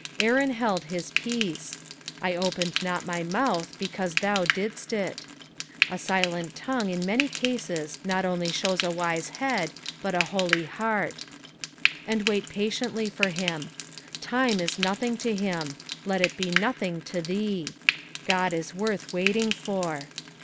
" Aaron held his peace ;"" I opened not my mouth, because thou didst it." A silent tongue in man; cases not only shows a wise head, but a holy heart. " And wait patimtly for Am." Time is nothing to him ; let it be nothing to thee. God is worth waiting for.